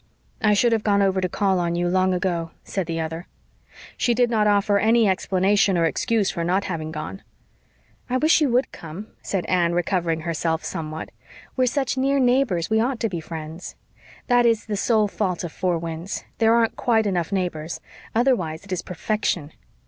I should have gone over to call on you long ago," said the other. She did not offer any explanation or excuse for not having gone. "I wish you WOULD come," said Anne, recovering herself somewhat. "We're such near neighbors we ought to be friends. That is the sole fault of Four Winds there aren't quite enough neighbors. Otherwise it is perfection."